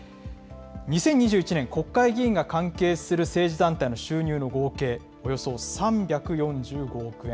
２０２１年、国会議員が関係する政治団体の収入の合計、およそ３４５億円。